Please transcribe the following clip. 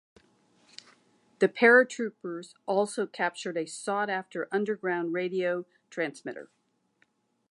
The paratroopers also captured a sought-after underground radio transmitter.